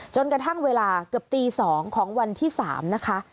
จนกระทั่งเวลาเกือบตี๒ของวันที่๓นะคะ